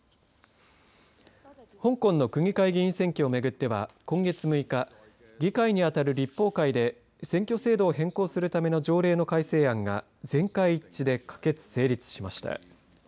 香港の区議会議員選挙を巡っては今月６日議会に当たる立法会で選挙制度を変更するための条例の改正案が全会一致で可決・成立しました。